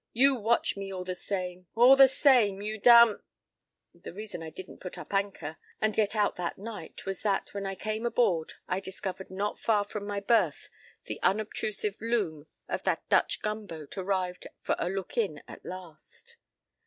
You watch me all the same, all the same, you damn—" The reason I didn't up anchor and get out that night was that, when I came aboard I discovered not far from my berth the unobtrusive loom of that Dutch gunboat, arrived for a "look in" at last.